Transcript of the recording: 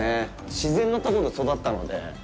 自然のところで育ったので。